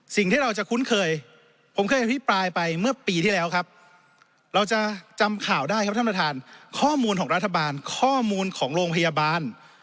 สิ่งที่เราจะคุ้นเคยผมเคยอภิปรายไปเมื่อปีที่แล้วครับเราจะจำข่าวได้ครับท่านประธานข้อมูลของรัฐบาลข้อมูลของโรงพยาบาล